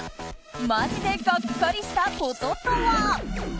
マジでがっかりしたこととは？